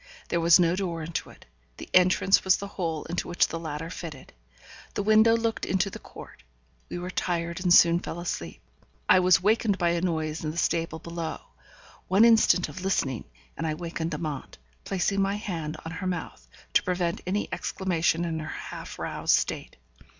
There was no door into it; the entrance was the hole into which the ladder fitted. The window looked into the court. We were tired and soon fell asleep. I was wakened by a noise in the stable below. One instant of listening, and I wakened Amante, placing my hand on her mouth, to prevent any exclamation in her half roused state.